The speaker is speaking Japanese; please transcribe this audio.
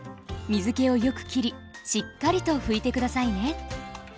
水けをよくきりしっかりと拭いて下さいね。